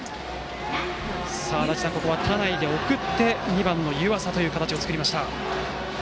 ここは田内で送って２番の湯淺という形を作りました。